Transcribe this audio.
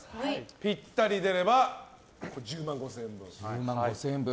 ぴったりが出れば１０万５０００円分。